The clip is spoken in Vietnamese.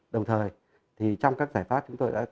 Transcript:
đồng thời thì trong các giải pháp chúng tôi đã